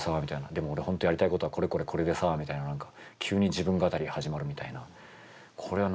「でも俺本当はやりたいことはこれこれこれでさ」みたいな何か急に自分語り始まるみたいな。これは何が起きてんだろう